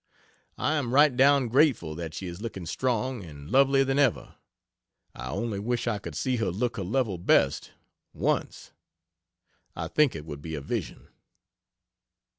I am right down grateful that she is looking strong and "lovelier than ever." I only wish I could see her look her level best, once I think it would be a vision.